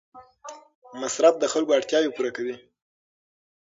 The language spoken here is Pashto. مصرف د خلکو اړتیاوې پوره کوي.